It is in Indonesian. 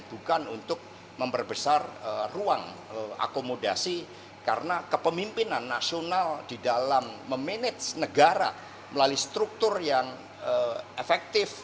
bukan untuk memperbesar ruang akomodasi karena kepemimpinan nasional di dalam memanage negara melalui struktur yang efektif